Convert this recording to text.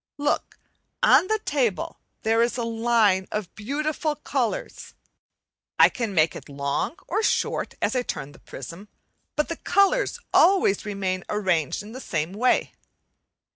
Look! on the table there is a line of beautiful colours. I can make it long or short, as I turn the prism, but the colours always remain arranged in the same way.